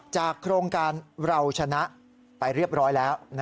โครงการเราชนะไปเรียบร้อยแล้ว